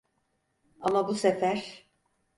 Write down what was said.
Ama bu sefer…